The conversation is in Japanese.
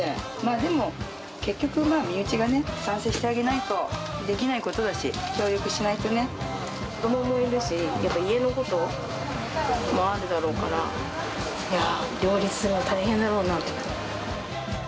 でも、結局身内がね、賛成してあげないとできないことだし、協力しない子どもいるし、やっぱ家のこともあるだろうから、いやあ、両立するの大変だろうなと思う。